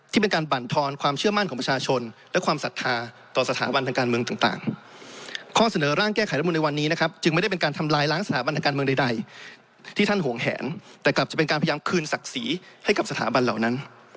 แต่กลับจะเป็นการพยายามคืนศักดิ์สีให้กับสถาบันเหล่านั้น